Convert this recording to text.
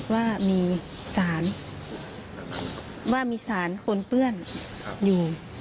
ว่ามีสารว่ามีสารปนเปื้อนอยู่